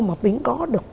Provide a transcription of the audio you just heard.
mà bính có được